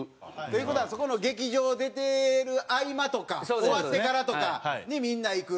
という事はそこの劇場出てる合間とか終わってからとかにみんな行く。